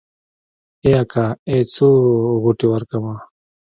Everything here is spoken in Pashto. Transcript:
ای اکا ای څو غوټې ورکمه.